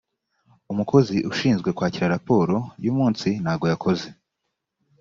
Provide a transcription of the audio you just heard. umukozi ushinzwe kwakira raporo yu munsi ntago yakoze